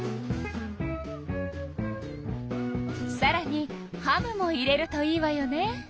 さらにハムも入れるといいわよね。